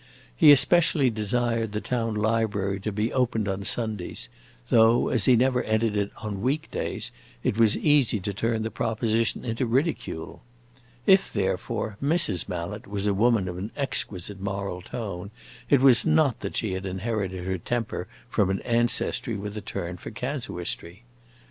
He especially desired the town library to be opened on Sundays, though, as he never entered it on week days, it was easy to turn the proposition into ridicule. If, therefore, Mrs. Mallet was a woman of an exquisite moral tone, it was not that she had inherited her temper from an ancestry with a turn for casuistry.